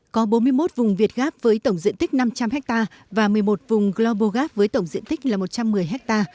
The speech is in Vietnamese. có bốn mươi một vùng việt gap với tổng diện tích năm trăm linh ha và một mươi một vùng global gap với tổng diện tích là một trăm một mươi ha